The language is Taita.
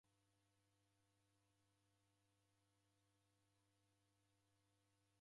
Nyonyi rakaria midinyi.